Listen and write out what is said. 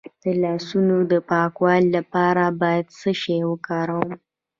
د لاسونو د پاکوالي لپاره باید څه شی وکاروم؟